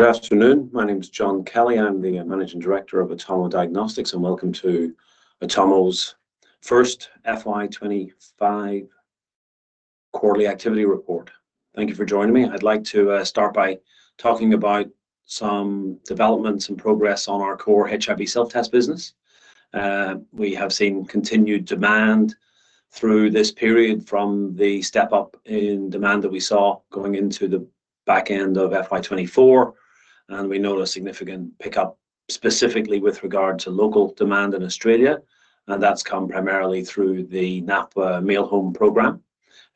Good afternoon. My name is John Kelly. I'm the Managing Director of Atomo Diagnostics, and welcome to Atomo's first FY 2025 quarterly activity report. Thank you for joining me. I'd like to start by talking about some developments and progress on our core HIV self-test business. We have seen continued demand through this period from the step-up in demand that we saw going into the back end of FY 2024, and we noticed a significant pickup, specifically with regard to local demand in Australia, and that's come primarily through the NAPWHA Mail Home program,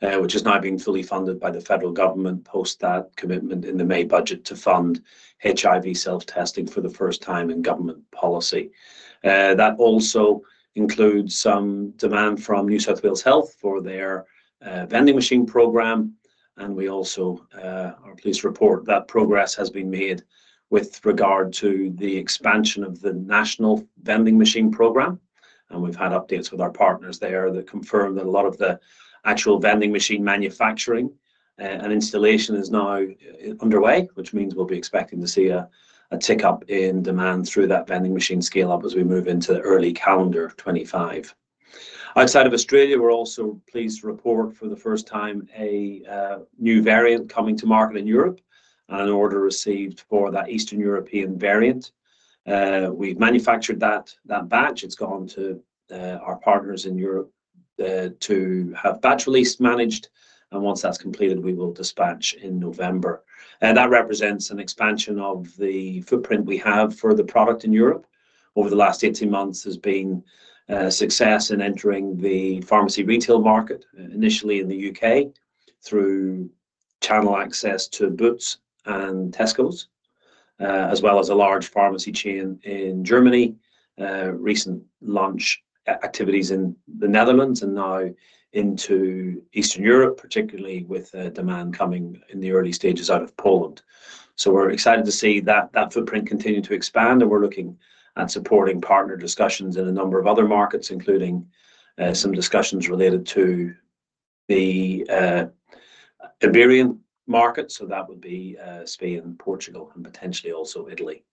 which is now being fully funded by the federal government, post that commitment in the May budget to fund HIV self-testing for the first time in government policy. That also includes some demand from New South Wales Health for their vending machine program, and we also... Are pleased to report that progress has been made with regard to the expansion of the national vending machine program, and we've had updates with our partners there that confirm that a lot of the actual vending machine manufacturing and installation is now underway, which means we'll be expecting to see an uptick in demand through that vending machine scale-up as we move into early calendar 2025. Outside of Australia, we're also pleased to report for the first time a new variant coming to market in Europe and an order received for that Eastern European variant. We've manufactured that batch. It's gone to our partners in Europe to have batch release managed, and once that's completed, we will dispatch in November. That represents an expansion of the footprint we have for the product in Europe. Over the last eighteen months, there's been a success in entering the pharmacy retail market, initially in the U.K., through channel access to Boots and Tesco, as well as a large pharmacy chain in Germany, recent launch activities in the Netherlands and now into Eastern Europe, particularly with the demand coming in the early stages out of Poland, so we're excited to see that footprint continue to expand, and we're looking at supporting partner discussions in a number of other markets, including some discussions related to the Iberian market, so that would be Spain, Portugal, and potentially also Italy.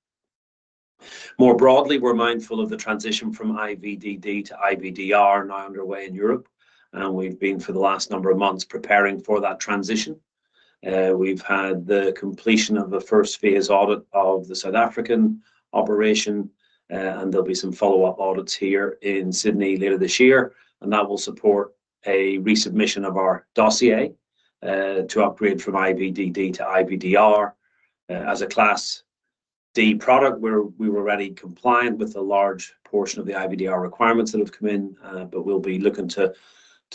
More broadly, we're mindful of the transition from IVDD to IVDR now underway in Europe, and we've been, for the last number of months, preparing for that transition. We've had the completion of the first phase audit of the South African operation, and there'll be some follow-up audits here in Sydney later this year, and that will support a resubmission of our dossier to upgrade from IVDD to IVDR. As a Class D product, we were already compliant with a large portion of the IVDR requirements that have come in, but we'll be looking to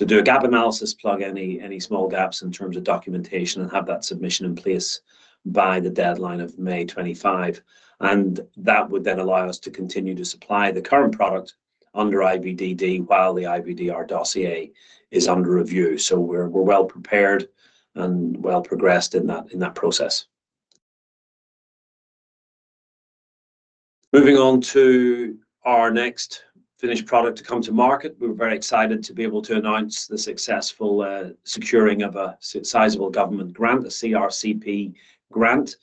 do a gap analysis, plug any small gaps in terms of documentation, and have that submission in place by the deadline of May 2025, and that would then allow us to continue to supply the current product under IVDD while the IVDR dossier is under review. We're well prepared and well progressed in that process. Moving on to our next finished product to come to market. We're very excited to be able to announce the successful securing of a sizable government grant, a CRC-P grant,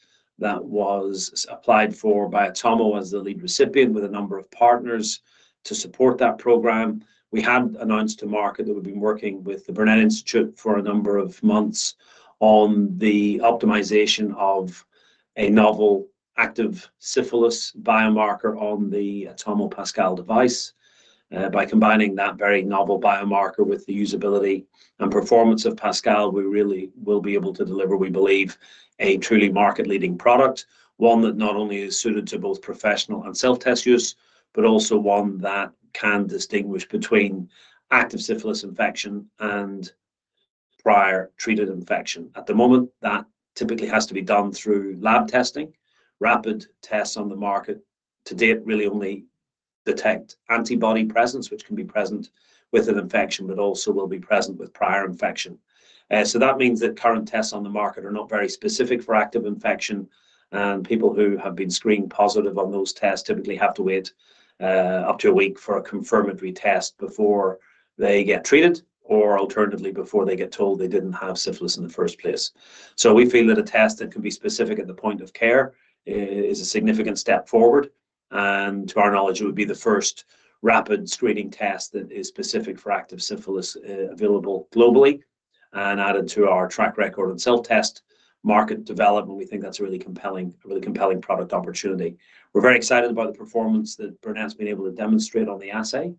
that was applied for by Atomo as the lead recipient, with a number of partners to support that program. We had announced to market that we've been working with the Burnet Institute for a number of months on the optimization of a novel active syphilis biomarker on the Atomo Pascal device. By combining that very novel biomarker with the usability and performance of Pascal, we really will be able to deliver, we believe, a truly market-leading product. One that not only is suited to both professional and self-test use, but also one that can distinguish between active syphilis infection and prior treated infection. At the moment, that typically has to be done through lab testing. Rapid tests on the market to date really only detect antibody presence, which can be present with an infection, but also will be present with prior infection, so that means that current tests on the market are not very specific for active infection, and people who have been screened positive on those tests typically have to wait up to a week for a confirmatory test before they get treated, or alternatively, before they get told they didn't have syphilis in the first place. We feel that a test that can be specific at the point of care is a significant step forward, and to our knowledge, it would be the first rapid screening test that is specific for active syphilis available globally. Added to our track record on self-test market development, we think that's a really compelling product opportunity. We're very excited about the performance that Burnet's been able to demonstrate on the assay,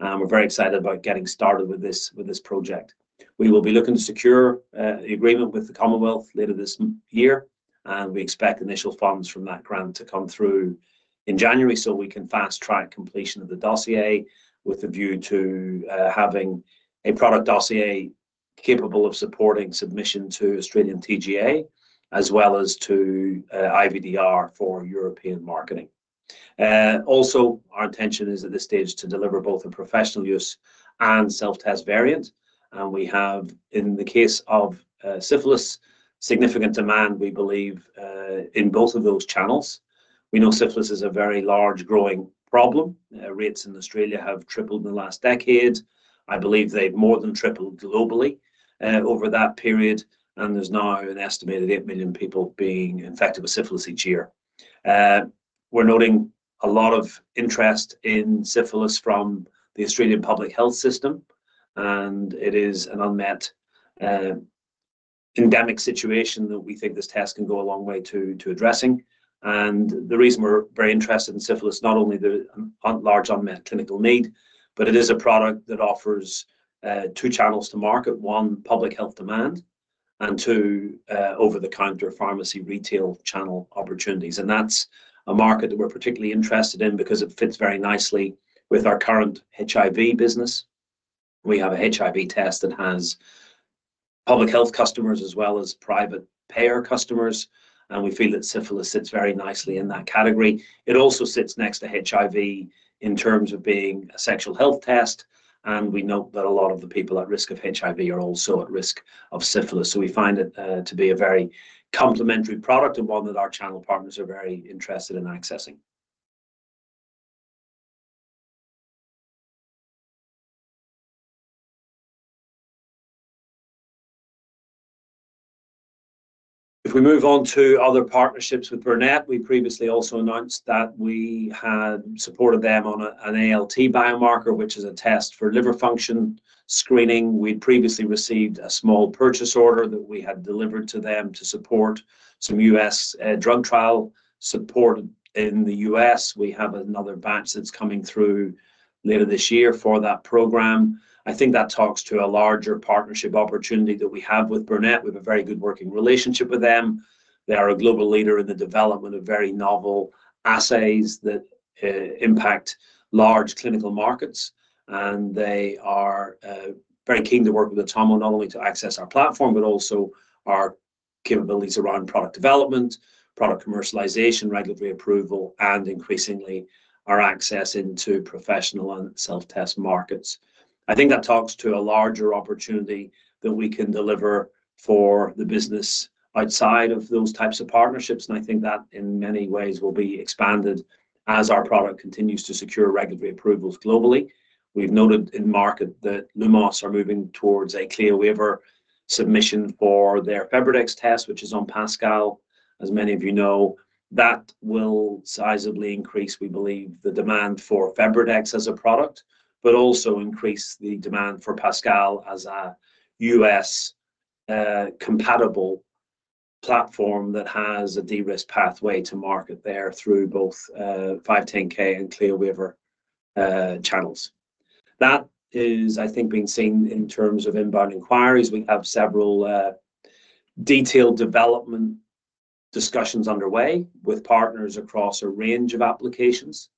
and we're very excited about getting started with this, with this project. We will be looking to secure the agreement with the Commonwealth later this year, and we expect initial funds from that grant to come through in January, so we can fast track completion of the dossier, with a view to having a product dossier capable of supporting submission to Australian TGA as well as to IVDR for European marketing. Also, our intention is, at this stage, to deliver both a professional use and self-test variant, and we have, in the case of syphilis, significant demand, we believe, in both of those channels. We know syphilis is a very large growing problem. Rates in Australia have tripled in the last decade. I believe they've more than tripled globally over that period, and there's now an estimated eight million people being infected with syphilis each year. We're noting a lot of interest in syphilis from the Australian public health system, and it is an unmet endemic situation that we think this test can go a long way to addressing. And the reason we're very interested in syphilis, not only the large unmet clinical need, but it is a product that offers two channels to market. One, public health demand, and two, over-the-counter pharmacy retail channel opportunities. And that's a market that we're particularly interested in because it fits very nicely with our current HIV business. We have a HIV test that has public health customers as well as private payer customers, and we feel that syphilis sits very nicely in that category. It also sits next to HIV in terms of being a sexual health test, and we know that a lot of the people at risk of HIV are also at risk of syphilis. So we find it to be a very complementary product and one that our channel partners are very interested in accessing. If we move on to other partnerships with Burnet, we previously also announced that we had supported them on an ALT biomarker, which is a test for liver function screening. We'd previously received a small purchase order that we had delivered to them to support some U.S. drug trial support in the U.S. We have another batch that's coming through later this year for that program. I think that talks to a larger partnership opportunity that we have with Burnet. We have a very good working relationship with them. They are a global leader in the development of very novel assays that impact large clinical markets, and they are very keen to work with Atomo, not only to access our platform, but also our capabilities around product development, product commercialization, regulatory approval, and increasingly, our access into professional and self-test markets. I think that talks to a larger opportunity that we can deliver for the business outside of those types of partnerships, and I think that, in many ways, will be expanded as our product continues to secure regulatory approvals globally. We've noted in market that Lumos are moving towards a CLIA waiver submission for their FebriDx test, which is on Pascal. As many of you know, that will sizably increase, we believe, the demand for FebriDx as a product, but also increase the demand for Pascal as a U.S. compatible platform that has a de-risk pathway to market there through both 510(k) and CLIA waiver channels. That is, I think, being seen in terms of inbound inquiries. We have several detailed development discussions underway with partners across a range of applications.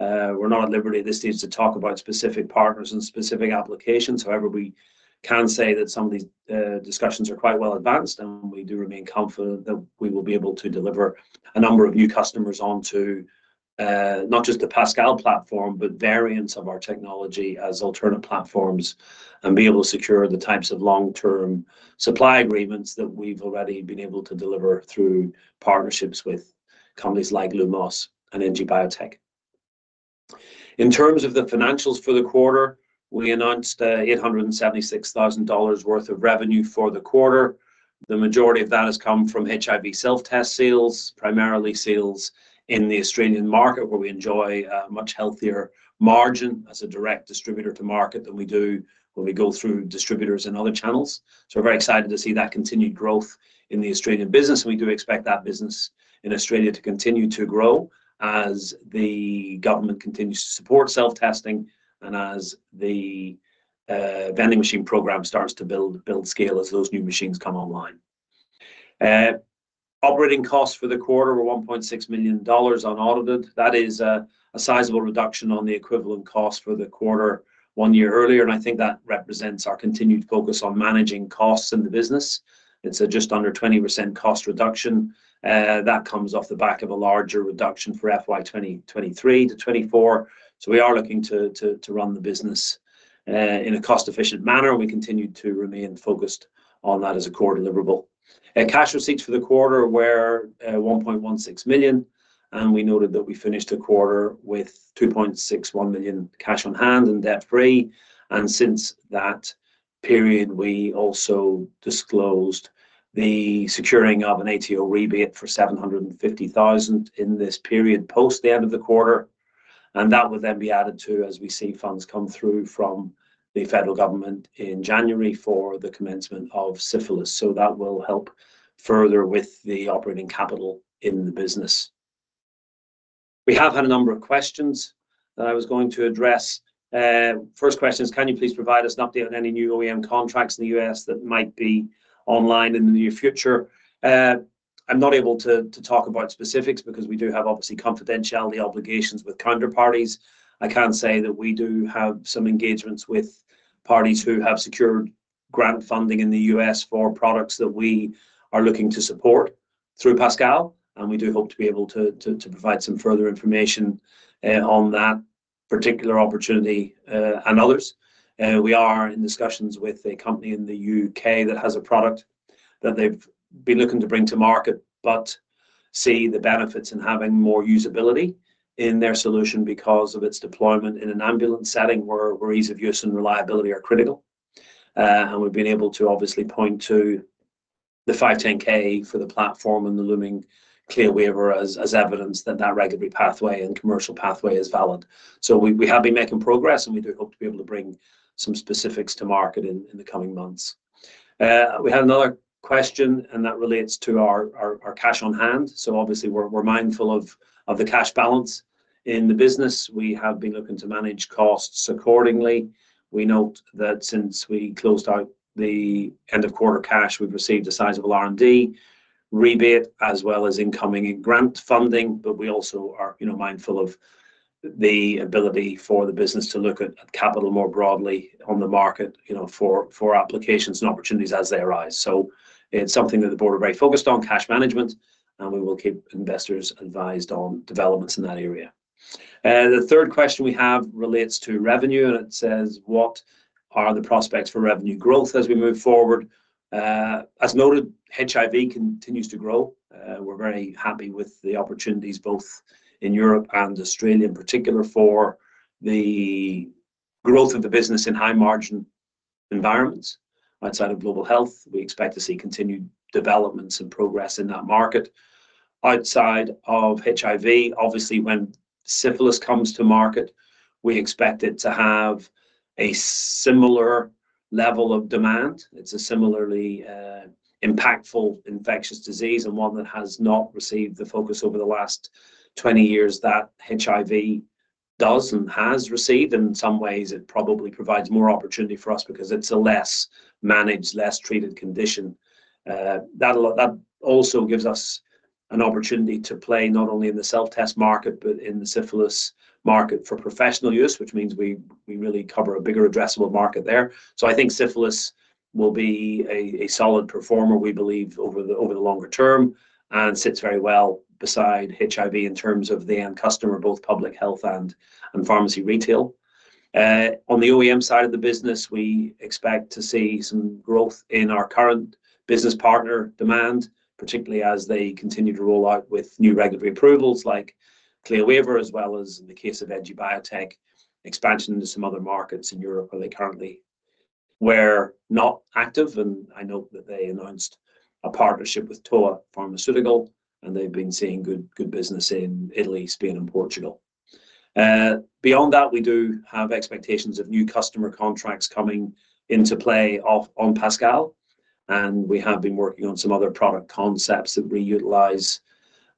We're not at liberty at this stage to talk about specific partners and specific applications. However, we can say that some of these, discussions are quite well advanced, and we do remain confident that we will be able to deliver a number of new customers onto, not just the Pascal platform, but variants of our technology as alternate platforms, and be able to secure the types of long-term supply agreements that we've already been able to deliver through partnerships with companies like Lumos and NG Biotech. In terms of the financials for the quarter, we announced, eight hundred and seventy-six thousand dollars worth of revenue for the quarter. The majority of that has come from HIV self-test sales, primarily sales in the Australian market, where we enjoy a much healthier margin as a direct distributor to market than we do when we go through distributors and other channels. So we're very excited to see that continued growth in the Australian business. We do expect that business in Australia to continue to grow as the government continues to support self-testing and as the vending machine program starts to build scale as those new machines come online. Operating costs for the quarter were 1.6 million dollars unaudited. That is a sizable reduction on the equivalent cost for the quarter one year earlier, and I think that represents our continued focus on managing costs in the business. It's just under 20% cost reduction. That comes off the back of a larger reduction for FY 2023 to 2024. So we are looking to run the business in a cost-efficient manner, and we continue to remain focused on that as a core deliverable. Cash receipts for the quarter were one point one six million, and we noted that we finished the quarter with two point six one million cash on hand and debt-free. Since that period, we also disclosed the securing of an ATO rebate for seven hundred and fifty thousand in this period, post the end of the quarter. That would then be added to as we see funds come through from the federal government in January for the commencement of syphilis. That will help further with the operating capital in the business. We have had a number of questions that I was going to address. First question is, "Can you please provide us an update on any new OEM contracts in the U.S. that might be online in the near future?" I'm not able to talk about specifics because we do have, obviously, confidentiality obligations with counterparties. I can say that we do have some engagements with parties who have secured grant funding in the U.S. for products that we are looking to support through Pascal, and we do hope to be able to provide some further information on that particular opportunity and others. We are in discussions with a company in the U.K. that has a product that they've been looking to bring to market, but see the benefits in having more usability in their solution because of its deployment in an ambulance setting, where ease of use and reliability are critical. And we've been able to obviously point to the 510(k) for the platform and the looming CLIA waiver as evidence that that regulatory pathway and commercial pathway is valid. So we have been making progress, and we do hope to be able to bring some specifics to market in the coming months. We had another question, and that relates to our cash on hand. So obviously, we're mindful of the cash balance in the business. We have been looking to manage costs accordingly. We note that since we closed out the end of quarter cash, we've received a sizable R&D rebate, as well as incoming grant funding. But we also are, you know, mindful of the ability for the business to look at capital more broadly on the market, you know, for applications and opportunities as they arise. So it's something that the board are very focused on, cash management, and we will keep investors advised on developments in that area. The third question we have relates to revenue, and it says, "What are the prospects for revenue growth as we move forward?" As noted, HIV continues to grow. We're very happy with the opportunities both in Europe and Australia, in particular, for the growth of the business in high-margin environments. Outside of global health, we expect to see continued developments and progress in that market. Outside of HIV, obviously, when syphilis comes to market, we expect it to have a similar level of demand. It's a similarly impactful infectious disease and one that has not received the focus over the last twenty years that HIV does and has received. In some ways, it probably provides more opportunity for us because it's a less managed, less treated condition. That also gives us an opportunity to play not only in the self-test market but in the syphilis market for professional use, which means we really cover a bigger addressable market there. So I think syphilis will be a solid performer, we believe, over the longer term, and sits very well beside HIV in terms of the end customer, both public health and pharmacy retail. On the OEM side of the business, we expect to see some growth in our current business partner demand, particularly as they continue to roll out with new regulatory approvals like CLIA waiver, as well as in the case of NG Biotech, expansion into some other markets in Europe where they currently were not active, and I note that they announced a partnership with Towa Pharmaceutical, and they've been seeing good business in Italy, Spain, and Portugal. Beyond that, we do have expectations of new customer contracts coming into play off on Pascal, and we have been working on some other product concepts that reutilize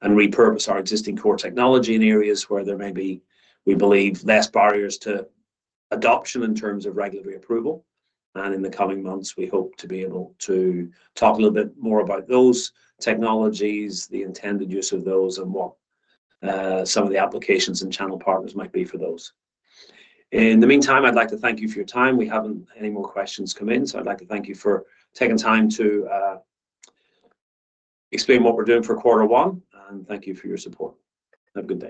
and repurpose our existing core technology in areas where there may be, we believe, less barriers to adoption in terms of regulatory approval. And in the coming months, we hope to be able to talk a little bit more about those technologies, the intended use of those, and what some of the applications and channel partners might be for those. In the meantime, I'd like to thank you for your time. We haven't any more questions come in, so I'd like to thank you for taking time to explain what we're doing for quarter one, and thank you for your support. Have a good day.